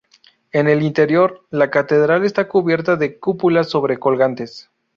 En el interior, la catedral está cubierta de cúpulas sobre colgantes.